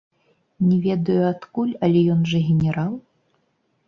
Не ведаю адкуль, але ён жа генерал!